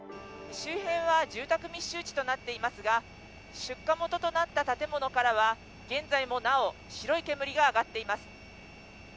周辺は住宅密集地となっていますが出火元となった建物からは現在もなお白い煙が上がっています。